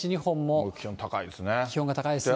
気温高いですね。